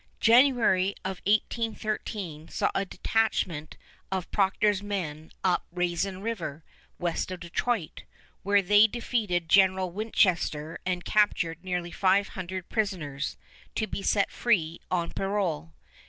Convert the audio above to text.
January of 1813 saw a detachment of Procter's men up Raisin River, west of Detroit, where they defeated General Winchester and captured nearly five hundred prisoners, to be set free on parole.